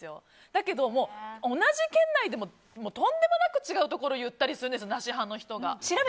だけど、同じ県内でもとんでもなく違うところを言ったりするんです、なし派の人。